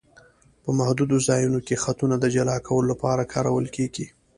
په محدودو ځایونو کې خطونه د جلا کولو لپاره کارول کیږي